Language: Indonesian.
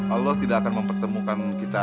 allah tidak akan mempertemukan kita